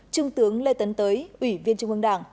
trung tướng lê tấn tới ủy viên trung ương đảng